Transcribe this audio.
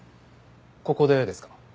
ここでですか？